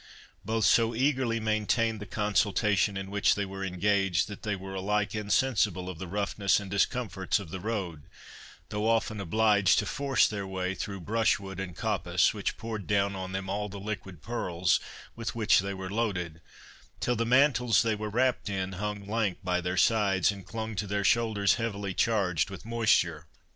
Both so eagerly maintained the consultation in which they were engaged, that they were alike insensible of the roughness and discomforts of the road, though often obliged to force their way through brushwood and coppice, which poured down on them all the liquid pearls with which they were loaded, till the mantles they were wrapped in hung lank by their sides, and clung to their shoulders heavily charged with moisture.